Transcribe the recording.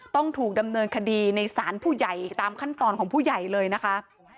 ต้องถูกดำเนินคดีในศาลผู้ใหญ่ตามขั้นตอนของผู้ใหญ่เลยนะคะ